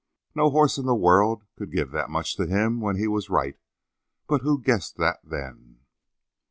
No horse in the world could give that much to him when he was right, but who guessed that then?